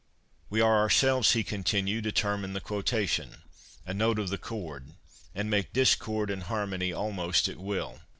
'" We are ourselves," ' he continued, '" a term in the quotation, a note of the chord, and make discord and harmony almost at will.